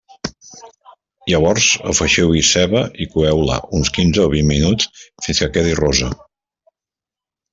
Llavors afegiu-hi ceba i coeu-la uns quinze o vint minuts fins que quedi rossa.